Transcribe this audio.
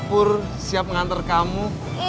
a'a pur siap ngantar kamu